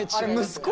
息子？